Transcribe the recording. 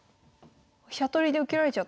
飛車取りで受けられちゃった。